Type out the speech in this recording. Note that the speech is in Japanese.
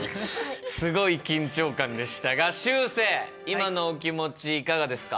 すごい緊張感でしたがしゅうせい今のお気持ちいかがですか？